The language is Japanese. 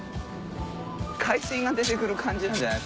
海水が出て来る感じなんじゃないですか？